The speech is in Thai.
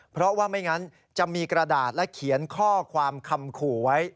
เพราะว่าไม่งั้นจะมีกระดาษและเขียนข้อความคำขู่ไว้